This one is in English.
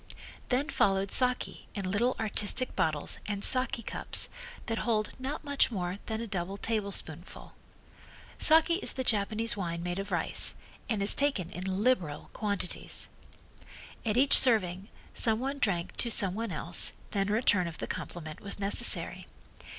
Then followed saki in little artistic bottles and saki cups that hold not much more than a double tablespoonful. Saki is the Japanese wine made of rice, and is taken in liberal quantities. At each serving some one drank to some one else, then a return of the compliment was necessary.